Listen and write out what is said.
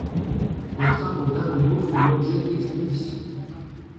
Les travaux d'Arroyo font l'objet d'expositions.